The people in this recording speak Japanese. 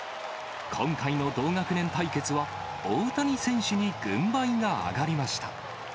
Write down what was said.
今回の同学年対決は、大谷選手に軍配が上がりました。